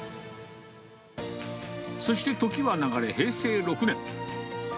そして時は流れ、平成６年。